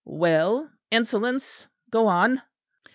"Well, insolence, go on."